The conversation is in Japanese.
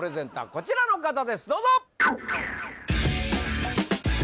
こちらの方ですどうぞ！